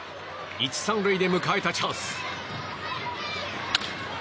１、３塁で迎えたチャンス。